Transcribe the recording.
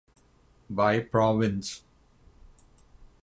By province